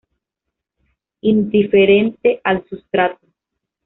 Indiferente al sustrato.